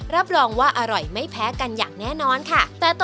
รับรองว่าอร่อยไม่แพ้กันอย่างแน่นอนค่ะ